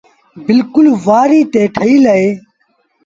بلڪُل وآريٚ تي ٺهيٚل اهي۔